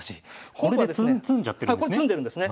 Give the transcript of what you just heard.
これで詰んじゃってるんですね。